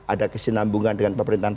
ada kesinambungan dengan pemerintahan